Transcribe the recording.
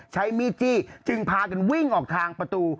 ใช้มีดจี้จึงพากันวิ่งออกทางประตู